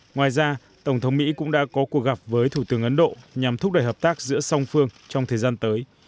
ngoài ra tổng thống mỹ cũng đã có cuộc gặp với thủ tướng ấn độ nhằm thúc đẩy hợp tác giữa song phương trong thời gian tới